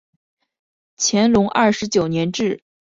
乾隆二十九年置。